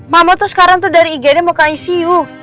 mama tuh sekarang tuh dari igd mau ke icu